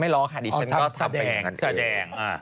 ไม่ร้องค่ะดิฉันก็แสดง